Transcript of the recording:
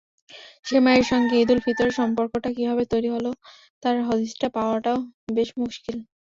সেমাইয়ের সঙ্গে ঈদুল ফিতরের সম্পর্কটা কীভাবে তৈরি হলো তার হদিস পাওয়াটাও বেশ মুশকিল।